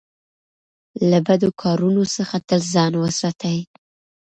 له بدو کارونو څخه تل ځان وساتئ.